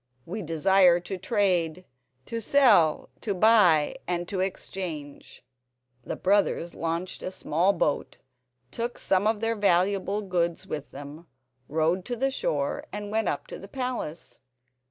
We desire to trade—to sell, to buy, and to exchange." The brothers launched a small boat, took some of their valuable goods with them, rowed to shore and went up to the palace.